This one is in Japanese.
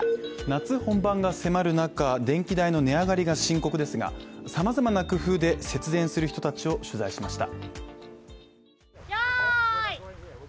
夏本番が迫る中、電気代の値上げが深刻ですがさまざまな工夫で節電する人たちを取材しました。